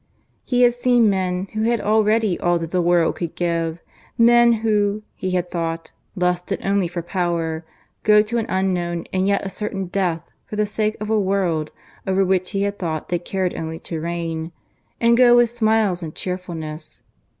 He had seen men who had already all that the world could give, men who, he had thought, lusted only for power, go to an unknown and yet a certain death for the sake of a world over which he had thought they cared only to reign and go with smiles and cheerfulness.